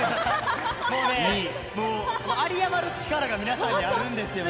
もうね、有り余る力が皆さんにあるんですよね。